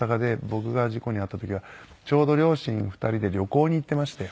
僕が事故に遭った時はちょうど両親２人で旅行に行ってまして。